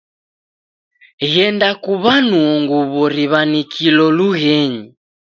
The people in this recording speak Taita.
Ghenda kuw'anuo nguw'o riw'anikilo lughenyi.